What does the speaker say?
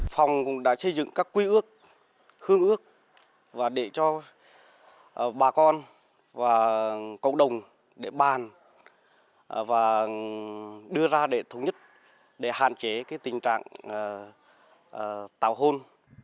phong cũng đã xây dựng các quy ước hương ước và để cho bà con và cộng đồng để bàn và đưa ra để thống nhất để hạn chế cái tình trạng tảo hôn